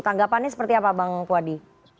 tanggapannya seperti apa bang puadi